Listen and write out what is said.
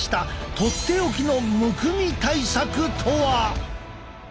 とっておきのむくみ対策とは！？